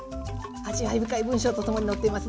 味わい深い文章と共に載っています。